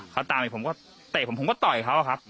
เขาตามไปผมก็เตะผมผมก็ต่อยเขาอะครับ